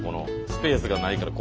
スペースがないから。